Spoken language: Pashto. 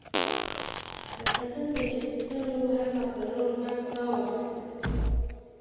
لکه څنګه چې تل وو هغه په لوړ غږ ساه واخیسته